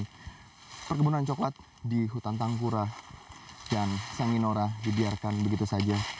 di perkebunan coklat di hutan tangkura dan sanginora dibiarkan begitu saja